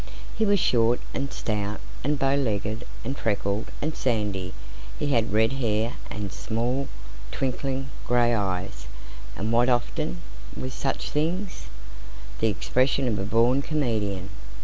He was short, and stout, and bow legged, and freckled, and sandy. He had red hair and small, twinkling, grey eyes, and what often goes with such things the expression of a born comedian.